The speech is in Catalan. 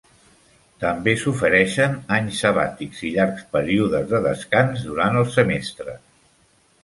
També s'ofereixen anys sabàtics i llargs períodes de descans durant el semestre.